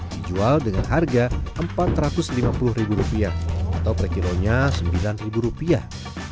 dijual dengan harga empat ratus lima puluh ribu rupiah atau per kilonya sembilan ribu rupiah